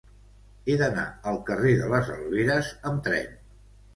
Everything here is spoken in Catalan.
He d'anar al carrer de les Alberes amb tren.